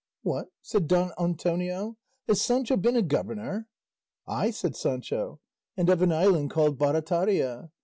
"What!" said Don Antonio, "has Sancho been a governor?" "Ay," said Sancho, "and of an island called Barataria.